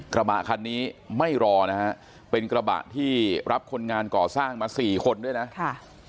กระบะคันนี้ไม่รอนะฮะเป็นกระบะที่รับคนงานก่อสร้างมาสี่คนด้วยนะค่ะ